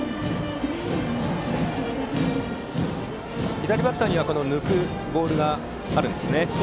左バッターには抜くボールがあるんですね。